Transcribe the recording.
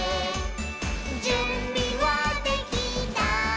「じゅんびはできた？